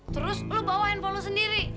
terus lo bawa handphone lo sendiri